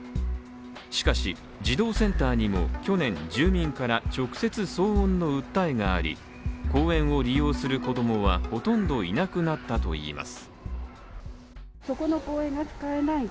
しかし、児童センターにも去年、住民から直接騒音の訴えがあり公園を利用する子供はほとんどいなくなったといいます。